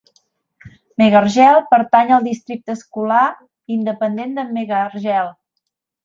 Megargel pertany al districte escolar independent de Megargel.